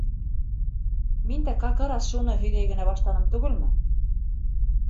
Мин дә какырас шуны һөйҙәй генә баштаным түгелме?